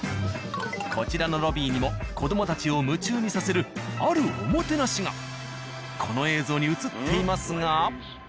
こちらのロビーにも子どもたちを夢中にさせるあるおもてなしがこの映像に映っていますが。